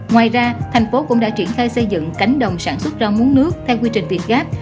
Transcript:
ngoài ra thành phố cũng đã triển khai xây dựng cánh đồng sản xuất rau muốn nước theo quy trình việt gáp